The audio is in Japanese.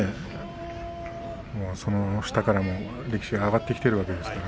その下からも力士が上がってきているわけですから。